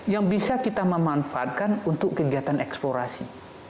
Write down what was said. yang bisa kita memanfaatkan untuk kegiatan eksplorasi